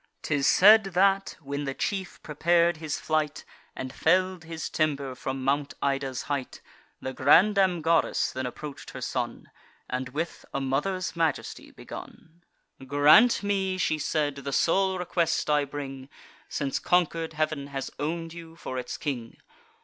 'Tis said that, when the chief prepar'd his flight, And fell'd his timber from Mount Ida's height, The grandam goddess then approach'd her son, And with a mother's majesty begun: "Grant me," she said, "the sole request I bring, Since conquer'd heav'n has own'd you for its king.